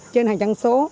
trên hành trang số